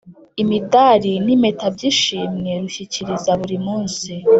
Imidari n Impeta by Ishimwe rushyikiriza buri munsi